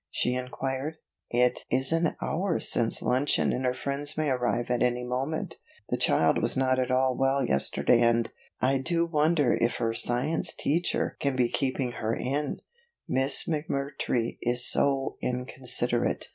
she inquired. "It is an hour since luncheon and her friends may arrive at any moment. The child was not at all well yesterday and, I do wonder if her science teacher can be keeping her in, Miss McMurtry is so inconsiderate.